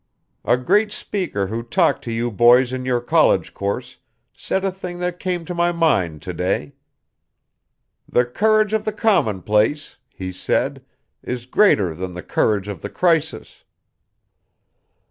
A great speaker who talked to you boys in your college course said a thing that came to my mind to day. 'The courage of the commonplace,' he said, 'is greater than the courage of the crisis.'"